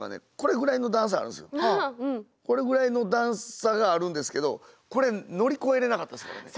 これぐらいの段差があるんですけどこれ乗り越えれなかったですからね。